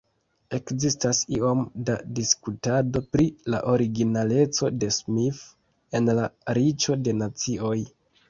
Ekzistas iom da diskutado pri la originaleco de Smith en "La Riĉo de Nacioj".